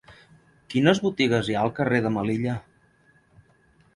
Quines botigues hi ha al carrer de Melilla?